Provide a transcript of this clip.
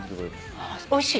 おいしい？